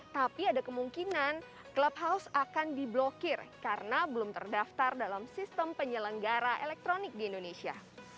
tapi ada kemungkinan clubhouse akan diblokir karena belum terdaftar dalam sistem penyelenggara elektronik di indonesia